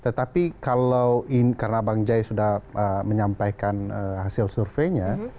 tetapi kalau karena bang jaya sudah menyampaikan hasil surveinya